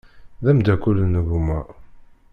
D ameddakel n gma.